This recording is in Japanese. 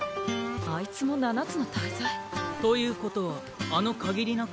あいつも七つの大罪？ということはあの限りなく